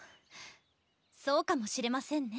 そうかもしれませんね。